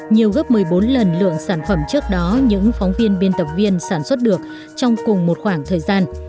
nhiều gấp một mươi bốn lần lượng sản phẩm trước đó những phóng viên biên tập viên sản xuất được trong cùng một khoảng thời gian